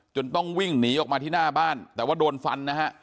ต้องวิ่งหนีออกมาที่หน้าบ้านแต่ว่าโดนฟันนะฮะ